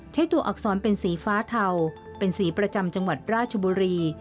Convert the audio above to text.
ตัวอักษรเป็นสีฟ้าเทาเป็นสีประจำจังหวัดราชบุรี